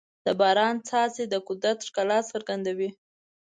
د باران څاڅکي د قدرت ښکلا څرګندوي.